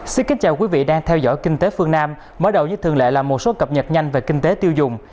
xin kính chào quý vị đang theo dõi kinh tế phương nam mới đầu như thường lệ là một số cập nhật nhanh về kinh tế tiêu dùng